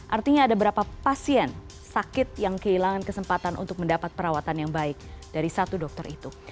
artinya ada berapa pasien sakit yang kehilangan kesempatan untuk mendapat perawatan yang baik dari satu dokter itu